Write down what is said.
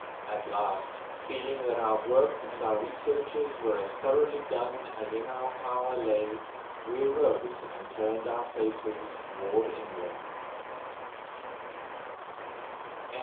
At last, feeling that our work and our researches were as thoroughly done as in our power lay, we arose and turned our faces toward England.